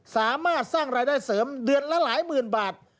สามารถสร้างรายได้เสริมเดือนละหลายหมื่นบาท